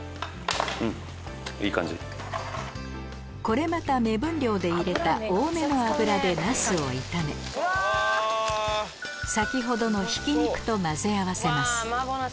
これまた目分量で入れた多めの油でナスを炒め先程のひき肉と混ぜ合わせます